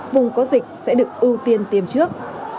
vùng có dịch sẽ được ưu tiên tiêm trước